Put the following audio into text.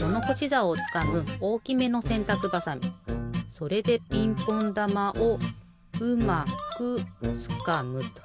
それでピンポンだまをうまくつかむと。